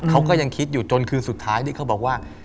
เขาก็ยังคิดอยู่จนคืนสุดท้ายที่เขาบอกว่า